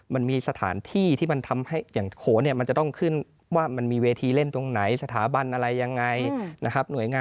มันมีสถานที่ที่มันทำให้อย่างโขนเนี่ยมันจะต้องขึ้นว่ามันมีเวทีเล่นตรงไหนสถาบันอะไรยังไงนะครับ